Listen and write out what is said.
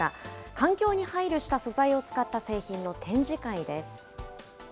環境に配慮した素材を使った製品の展示会です。